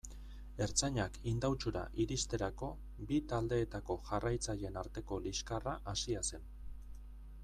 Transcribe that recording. Ertzainak Indautxura iristerako, bi taldeetako jarraitzaileen arteko liskarra hasia zen.